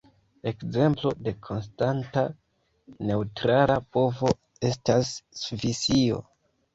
Ekzemplo de konstanta neŭtrala povo estas Svisio.